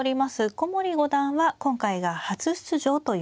古森五段は今回が初出場ということになります。